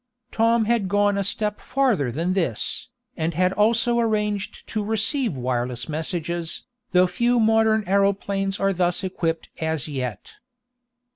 Tom had gone a step farther than this, and had also arranged to receive wireless messages, though few modern aeroplanes are thus equipped as yet.